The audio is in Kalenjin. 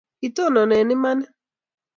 Kitonone imanit